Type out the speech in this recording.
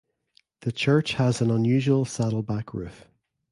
The church has an unusual saddleback roof.